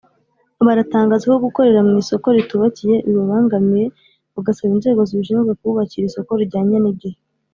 baratangaza ko gukorera mu isoko ritubakiye bibabangamiye bagasaba inzego zibishinzwe kububakira isoko rijyanye n’igihe